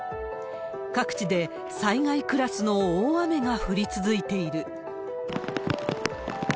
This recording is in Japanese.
各地で災害クラスの大雨が降り続いている。